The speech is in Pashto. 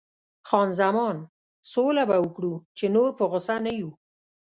خان زمان: سوله به وکړو، چې نور په غوسه نه یو.